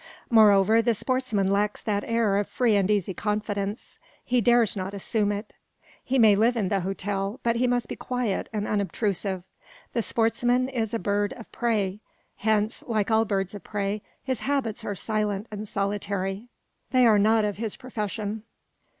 Moreover, the sportsman lacks that air of free and easy confidence. He dares not assume it. He may live in the hotel, but he must be quiet and unobtrusive. The sportsman is a bird of prey; hence, like all birds of prey, his habits are silent and solitary. They are not of his profession.